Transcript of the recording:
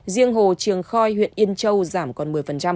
riêng hồ trường khoi huyện yên châu giảm còn một mươi